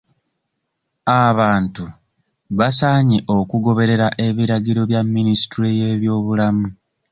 Abantu basaanye okugoberera abiragiro bya minisitule y'ebyobulamu.